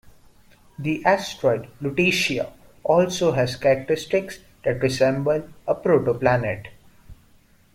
The asteroid Lutetia also has characteristics that resemble a protoplanet.